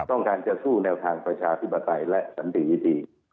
ต้องการจะสู้แนวทางประชาธิปไตยและสันติวิธี